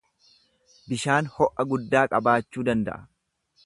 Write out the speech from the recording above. Bishaan ho’a guddaa qabachuu danda’a.